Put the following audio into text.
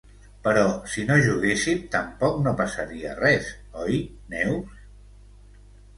Però si no juguéssim tampoc no passaria res, oi, Neus?